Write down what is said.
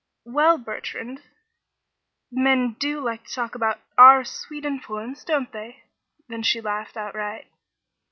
"Well, Bertrand? Men do like to talk about our 'sweet influence,' don't they?" Then she laughed outright.